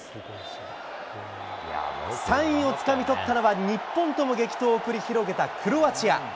３位をつかみ取ったのは、日本とも激闘を繰り広げたクロアチア。